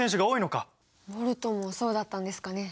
ボルトもそうだったんですかね？